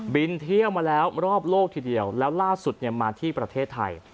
เที่ยวมาแล้วรอบโลกทีเดียวแล้วล่าสุดเนี่ยมาที่ประเทศไทย